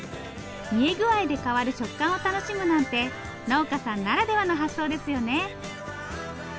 煮え具合で変わる食感を楽しむなんて農家さんならではの発想ですよね。